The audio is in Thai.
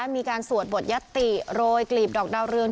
มีการสวดบทญาติอกลีบดอกเดารื่อง